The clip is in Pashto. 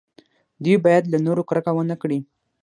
دوی باید له نورو کرکه ونه کړي.